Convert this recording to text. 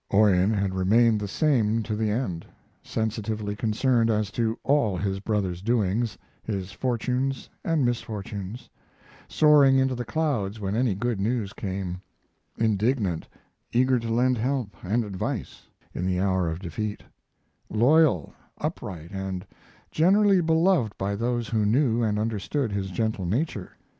Orion had remained the same to the end, sensitively concerned as to all his brother's doings, his fortunes and misfortunes: soaring into the clouds when any good news came; indignant, eager to lend help and advice in the hour of defeat; loyal, upright, and generally beloved by those who knew and understood his gentle nature.